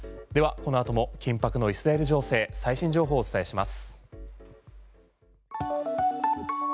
この後も緊迫のイスラエル情勢最新情報をお伝えします。